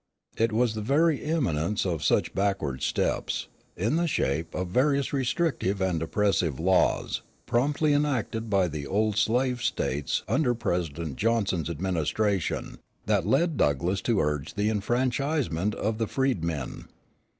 It was the very imminence of such backward steps, in the shape of various restrictive and oppressive laws promptly enacted by the old slave States under President Johnson's administration, that led Douglass to urge the enfranchisement of the freedmen.